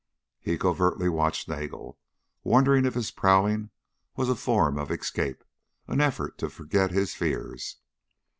He covertly watched Nagel, wondering if his prowling was a form of escape, an effort to forget his fears.